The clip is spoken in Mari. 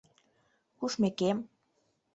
Кушмекем